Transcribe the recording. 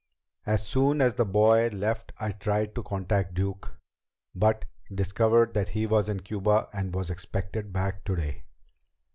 As soon as the boy left I tried to contact Duke, but discovered that he was in Cuba and was expected back today."